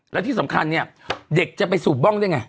แล้วที่สำคัญเนี่ยเด็กจะไปสูบบ้องได้ไง